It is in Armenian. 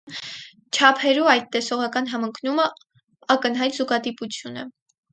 Չափերու այդ տեսողական համընկնումը ակնյայտ զուգադիպութիւն է։